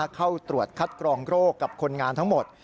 เข้าตรวจคัดกรองโรคกับคนงานทั้งหมด